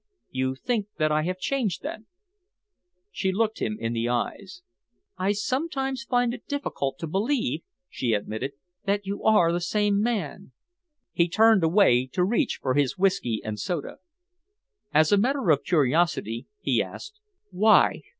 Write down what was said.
"You think that I have changed, then?" She looked him in the eyes. "I sometimes find it difficult to believe," she admitted, "that you are the same man." He turned away to reach for his whisky and soda. "As a matter of curiosity," he asked, "why?"